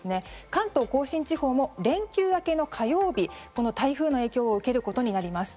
関東・甲信地方も連休明けの火曜日、台風の影響を受けることになります。